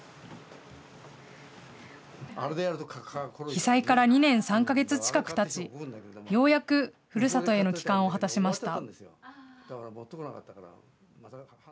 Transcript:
被災から２年３か月近くたち、ようやくふるさとへの帰還を果たしました。